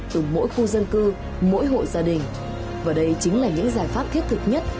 từ mỗi khu dân cư mỗi hộ gia đình và đây chính là những giải pháp thiết thực nhất